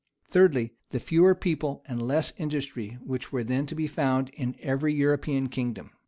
Thirdly, the fewer people and less industry which were then to be found in every European kingdom.